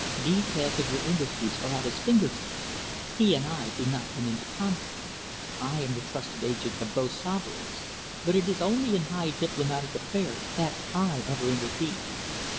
Details of your industries are at his finger tips. He and I do not come into contact. I am the trusted agent of both sovereigns, but it is only in high diplomatic affairs that I ever intervene.